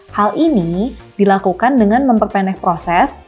hal ini dilakukan dengan memperpendeh proses